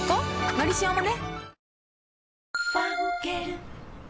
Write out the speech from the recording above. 「のりしお」もね